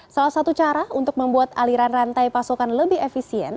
salah satu cara untuk membuat aliran rantai pasokan lebih efisien